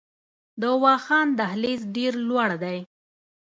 د واخان دهلیز ډیر لوړ دی